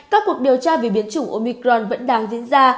các cuộc điều tra vì biến chủng omicron vẫn đang diễn ra